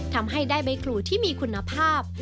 ทำให้ได้ใบครูที่มีคุณภาพ